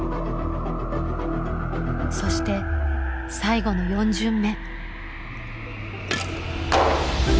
そして最後の４巡目。